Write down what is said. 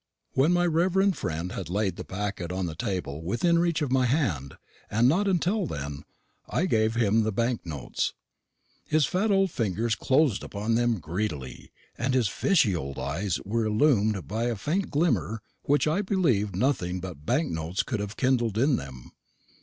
When my reverend friend had laid the packet on the table within reach of my hand, and not till then, I gave him the bank notes. His fat old fingers closed upon them greedily, and his fishy old eyes were illumined by a faint glimmer which I believe nothing but bank notes could have kindled in them.